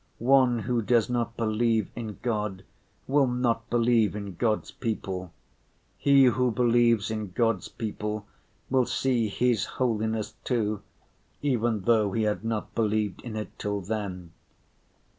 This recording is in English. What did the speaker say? One who does not believe in God will not believe in God's people. He who believes in God's people will see His Holiness too, even though he had not believed in it till then.